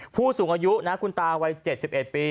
ผู้สูงอายุนะคุณตาวัย๗๑ปี